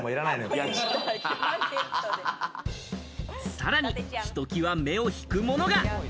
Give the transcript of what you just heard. さらに、ひときわ目を引くものが。